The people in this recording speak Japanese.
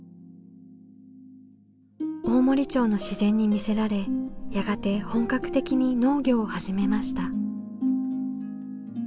大森町の自然に魅せられやがて本格的に農業を始めました。